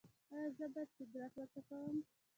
ایا زه باید سګرټ وڅکوم؟